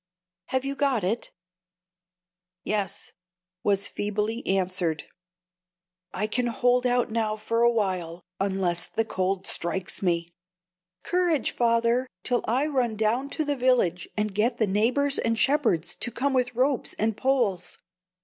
Have you got it?" "Yes," was feebly answered. "I can hold out now for a while, unless the cold strikes me." "Courage, father, till I run down to the village, and get the neighbors and shepherds to come with ropes and poles.